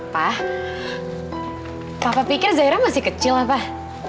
pah papa pikir zaira masih kecil lah pah